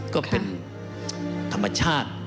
ก็เป็นธรรมชาติ